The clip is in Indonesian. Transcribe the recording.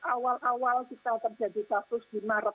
awal awal kita terjadi kasus